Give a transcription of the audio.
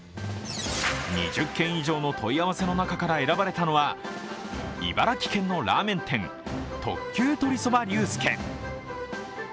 ２０件以上の問い合わせの中から選ばれたのは、茨城県のラーメン店、特級鶏蕎麦龍介。